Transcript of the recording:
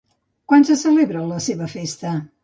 Quan se celebra la seva festa?